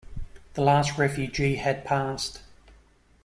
The last refugee had passed.